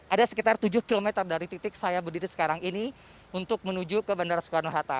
ada sekitar tujuh km dari titik saya berdiri sekarang ini untuk menuju ke bandara soekarno hatta